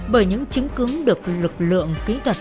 bởi những chứng cứu được lực lượng kỹ thuật